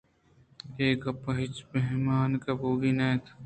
اے گپّءَہچ بہمانگ بُوئگی نہ اِنت